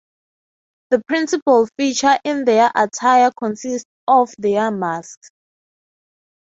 The principal feature in their attire consists of their masks.